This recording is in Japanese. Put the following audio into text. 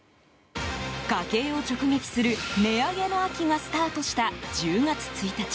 家計を直撃する値上げの秋がスタートした１０月１日。